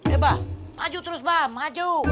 eh mbak maju terus mbak maju